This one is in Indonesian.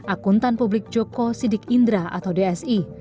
akuntan publik joko sidik indra atau dsi